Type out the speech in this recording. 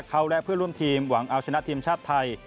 เขาและเพื่อนร่วมทีมหวังเอาชนะทีมชาติไทย